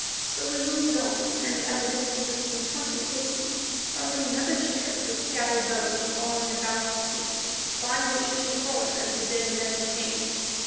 So we moved on, and at a distance of some twenty paces found another chair with scattered bones on and about the seat, lying where each had fallen as the dead man decayed.